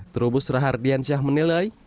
terobos rahardiansyah menilai